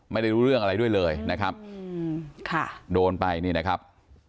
ไม่ได้รู้เรื่องอะไรด้วยเลยนะครับค่ะโดนไปนี่นะครับ